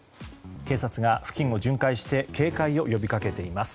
警察が付近を巡回して警戒を呼びかけています。